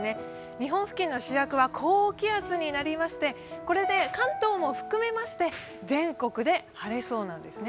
日本付近の主役は高気圧になりまして、これで関東も含めまして全国で晴れそうなんですね。